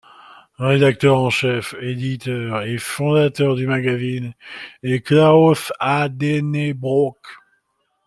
Le rédacteur en chef, éditeur et fondateur du magazine est Klaus Haddenbrock.